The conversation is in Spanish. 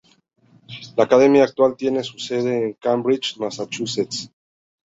La academia actual tiene su sede en Cambridge, Massachusetts.